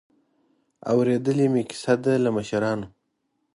اورېدلې مې کیسه ده له مشرانو.